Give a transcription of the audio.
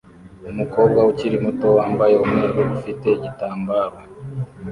Umukobwa ukiri muto wambaye umweru ufite igitambaro